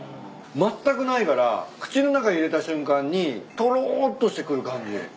まったくないから口の中に入れた瞬間にとろっとしてくる感じ。